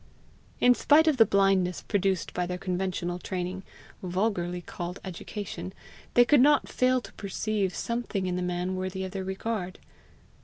In spite of the blindness produced by their conventional training, vulgarly called education, they could not fail to perceive something in the man worthy of their regard.